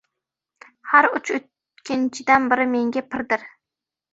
— Har uch o‘tkinchidan biri menga pirdir;